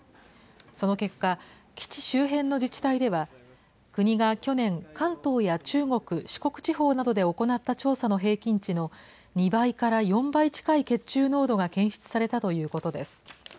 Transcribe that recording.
その結果、基地周辺の自治体では、国が去年、関東や中国、四国地方などで行った調査の平均値の２倍から４倍近い血中濃度が検出されたということです。